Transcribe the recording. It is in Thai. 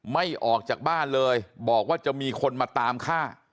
ไม่ออกจากบ้านเลยบอกว่าจะมีคนมาตามฆ่า